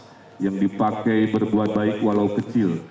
tapi tentang tiap halanafas yang dipakai berbuat baik walau kecil